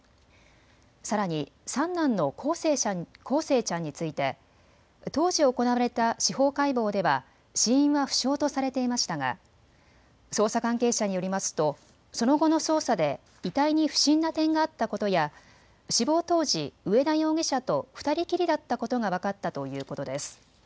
さらに三男の康生ちゃんについて当時行われた司法解剖では死因は不詳とされていましたが捜査関係者によりますとその後の捜査で遺体に不審な点があったことや死亡当時、上田容疑者と２人きりだったことが分かったということです。